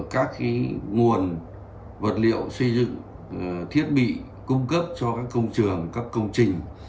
các nguồn vật liệu xây dựng thiết bị cung cấp cho các công trường các công trình